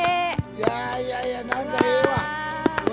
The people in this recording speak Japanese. いやいやいや何かええわ。